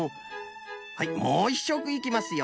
はいもう１しょくいきますよ。